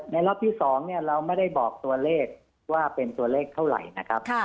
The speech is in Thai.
รอบที่๒เราไม่ได้บอกตัวเลขว่าเป็นตัวเลขเท่าไหร่นะครับ